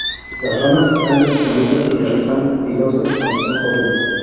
Las ramas están extendidas y las son pilosas cuando son jóvenes.